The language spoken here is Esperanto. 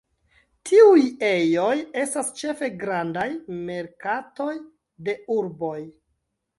Tiuj ejoj estas ĉefe grandaj merkatoj de urboj.